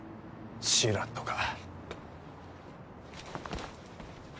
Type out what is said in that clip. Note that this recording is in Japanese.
シラットか。